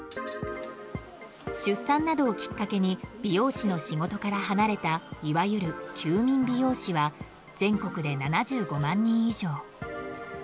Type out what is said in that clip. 出産などをきっかけに美容師の仕事から離れたいわゆる休眠美容師は全国で７５万人以上。